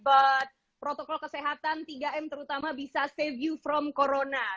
buat protokol kesehatan tiga m terutama bisa save you from corona